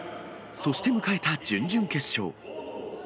そして迎えた準々決勝。